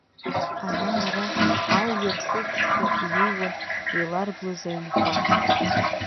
Ана-ара алҩа рхылшәшәа иҩеиуан еиларблыз аҩнқәа.